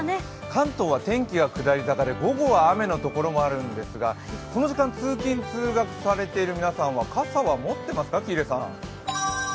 関東は天気が下り坂で、午後は雨の所もあるんですが、この時間、通勤通学されている皆さんは傘は持っていますか、喜入さん。